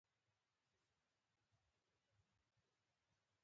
هلته د ډوډۍ بې نظیره ډولونه موجود وو.